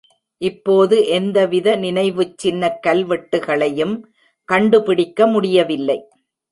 இப்போது எந்தவித நினைவுச்சின்ன கல்வெட்டுகளையும் கண்டுபிடிக்கமுடியவில்லை.